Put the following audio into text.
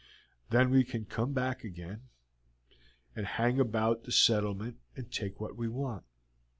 Then we can come back again, and hang about the settlement and take what we want.